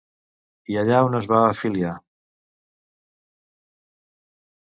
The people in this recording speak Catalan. I allà on es va afiliar?